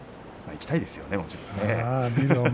行きたいですよね。